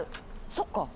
そっか！